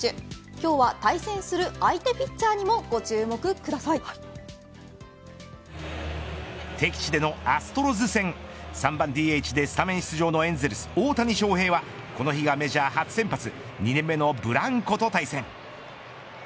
今日は対戦する相手ピッチャーにも敵地でのアストロズ戦３番ＤＨでスタメン出場のエンゼルス、大谷翔平はこの日がメジャー初先発２年目のブランコと対戦。